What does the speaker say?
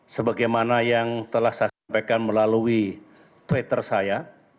sebagaimana yang telah saya sampaikan melalui twitter saya